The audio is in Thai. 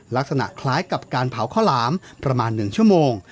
ลักษณะคล้ายกับการเผาข้าวหลามประมาณ๑ชั่วโมง